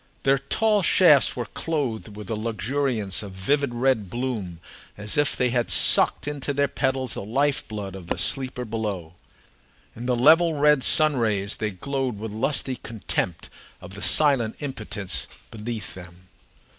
Their tall shafts were clothed with a luxuriance of vivid red bloom, as if they had sucked into their petals the life blood of the sleeper below. In the level red sun rays they glowed with lusty contempt of the silent impotence beneath them.